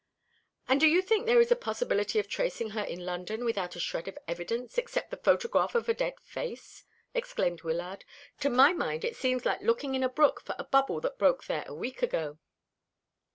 "And do you think there is a possibility of tracing her in London, without a shred of evidence except the photograph of a dead face?" exclaimed Wyllard. "To my mind it seems like looking in a brook for a bubble that broke there a week ago."